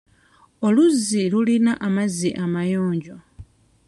Oluzzi lulina amazzi amayonjo.